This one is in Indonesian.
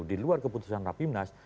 diluar keputusan rapimnas